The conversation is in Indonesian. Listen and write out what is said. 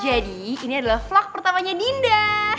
jadi ini adalah vlog pertamanya dinda